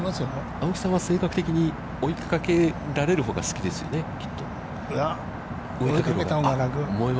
青木さんは性格的に追いかけられるほうが好きですよね、きっと。